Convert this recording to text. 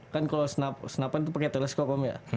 kan kalau senapan itu pakai teleskokom ya